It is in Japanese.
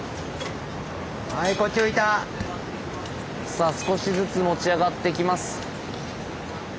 さあ少しずつ持ち上がってきます。